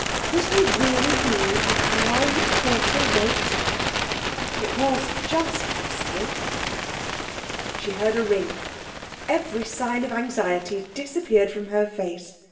Could he really be an hour and a quarter late? It was just possible. She heard a ring. Every sign of anxiety disappeared from her face.